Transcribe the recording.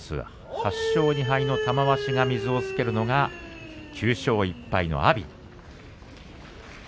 ８勝２敗の玉鷲に水をつけるのが９勝１敗の阿炎。